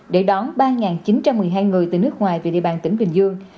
để đón ba chín trăm một mươi hai người từ nước ngoài về địa bàn tỉnh bình dương